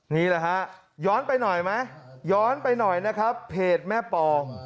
นี่แหละฮะย้อนไปหน่อยไหมย้อนไปหน่อยนะครับเพจแม่ปอง